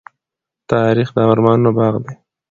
تاریخ د ارمانونو باغ دی.